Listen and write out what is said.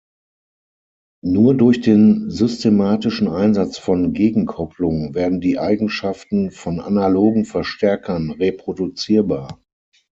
Nur durch den systematischen Einsatz von Gegenkopplung werden die Eigenschaften von analogen Verstärkern reproduzierbar.